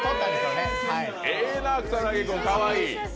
ええな、草薙君、かわいい。